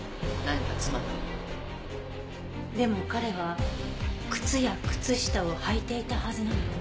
でも彼は靴や靴下を履いていたはずなのに。